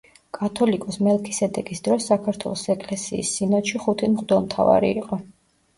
კათოლიკოს მელქისედეკის დროს საქართველოს ეკლესიის სინოდში ხუთი მღვდელმთავარი იყო.